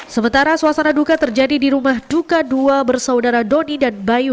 sementara suasana duka terjadi di rumah duka dua bersaudara dodi dan bayu